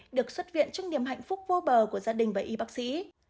được xuất viện trong niềm hạnh phúc vô bờ của gia đình và y bác sĩ